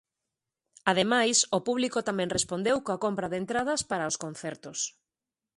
Ademais, o público tamén respondeu coa compra de entradas para os concertos.